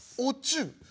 お中？